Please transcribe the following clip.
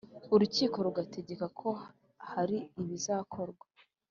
Urukiko rugategeka ko hari ibizakorwa